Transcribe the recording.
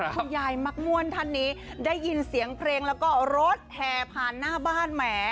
คุณยายมักม่วนท่านนี้ได้ยินเสียงเพลงแล้วก็รถแห่ผ่านหน้าบ้านแหม